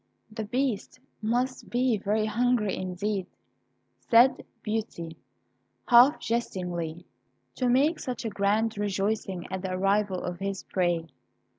"The Beast must be very hungry indeed," said Beauty, half jestingly, "to make such grand rejoicings at the arrival of his prey."